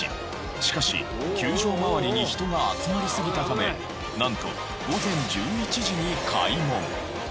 しかし球場周りに人が集まりすぎたためなんと午前１１時に開門。